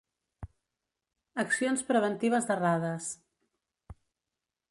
Accions preventives d'errades.